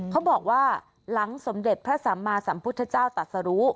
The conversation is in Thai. เขาบอกว่าหลังสมเด็จพระสัมมาสัมพุทธเจ้าตัดสรุ